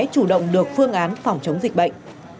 chủ động được phương án phòng chống dịch bệnh